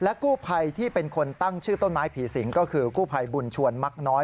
กู้ภัยที่เป็นคนตั้งชื่อต้นไม้ผีสิงก็คือกู้ภัยบุญชวนมักน้อย